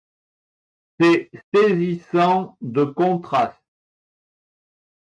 C’est saisissant de contraste.